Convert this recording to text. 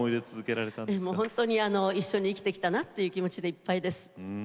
本当に一緒に生きてきたなという気持ちでいっぱいです。